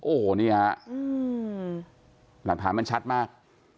โอ้โหนี่ฮะหลักฐานมันชัดมาก